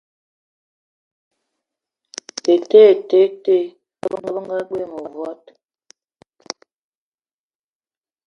Ete ete te, dò bëngadzoge mëvòd